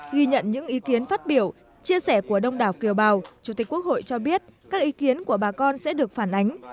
ghi nhận những ý kiến phát biểu chia sẻ của đông đảo kiều bào chủ tịch quốc hội cho biết các ý kiến của bà con sẽ được phản ánh